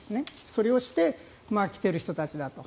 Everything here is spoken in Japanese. それをして来ている人たちだと。